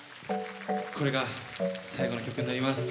これが最後の曲になります。